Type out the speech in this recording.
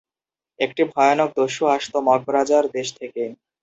একটি ভয়ানক দস্যু আসতো মগ রাজার দেশ থেকে।